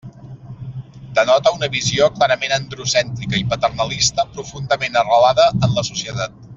Denota una visió clarament androcèntrica i paternalista profundament arrelada en la societat.